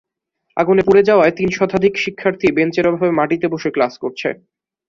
আগুনে পুড়ে যাওয়ায় তিন শতাধিক শিক্ষার্থী বেঞ্চের অভাবে মাটিতে বসে ক্লাস করছে।